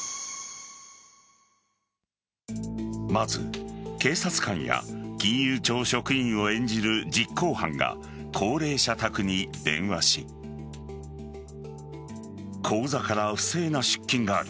まず警察官や金融庁職員を演じる実行犯が高齢者宅に電話し口座から不正な出金がある。